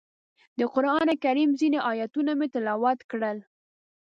د قرانکریم ځینې ایتونه مې تلاوت کړل.